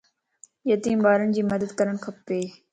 يتيم ٻارن جي مدد ڪرڻ کپ